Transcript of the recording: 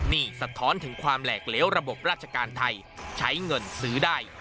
นี่สะท้อนถึงความแหลกเหลวระบบราชการไทยใช้เงินซื้อได้